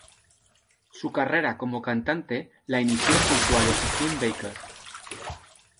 Su carrera como cantante la inició junto a Josephine Baker.